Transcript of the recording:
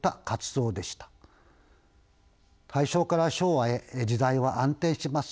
大正から昭和へ時代は暗転します。